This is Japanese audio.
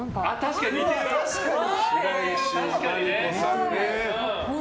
確かにね！